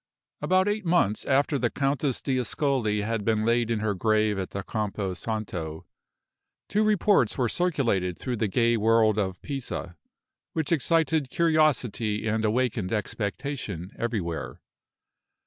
About eight months after the Countess d'Ascoli had been laid in her grave in the Campo Santo, two reports were circulated through the gay world of Pisa, which excited curiosity and awakened expectation everywhere.